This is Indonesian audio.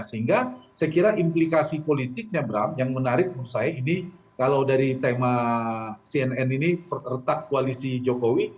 sehingga saya kira implikasi politiknya bram yang menarik menurut saya ini kalau dari tema cnn ini retak koalisi jokowi